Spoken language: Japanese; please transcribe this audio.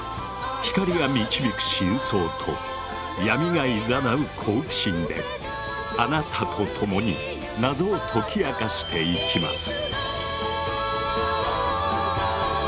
光が導く真相と闇が誘う好奇心であなたと共に謎を解き明かしていきます。